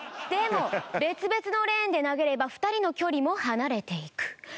でも別々のレーンで投げれば２人の距離も離れていく。